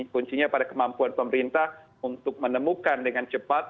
kuncinya pada kemampuan pemerintah untuk menemukan dengan cepat